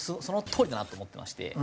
そのとおりだなと思ってまして。